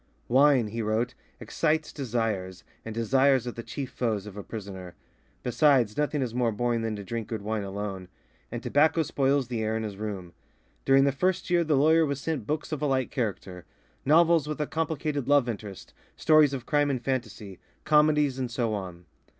"Wine," he wrote, "excites desires, and desires are the chief foes of a prisoner; besides, nothing is more boring than to drink good wine alone," and tobacco spoils the air in his room. During the first year the lawyer was sent books of a light character; novels with a complicated love interest, stories of crime and fantasy, comedies, and so on.